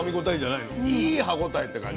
いい歯応えって感じ。